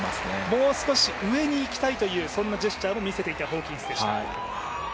もう少し上に行きたいというそんなジェスチャーも見せていたホーキンスでした。